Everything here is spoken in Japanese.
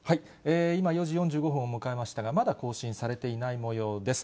今、４時４５分を迎えましたが、まだ更新されていないもようです。